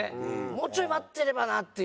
もうちょい待ってればなっていう。